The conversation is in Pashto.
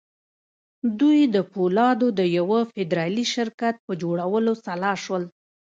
دوی د پولادو د یوه فدرالي شرکت پر جوړولو سلا شول